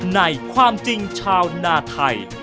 ในความจริงชาวนาไทย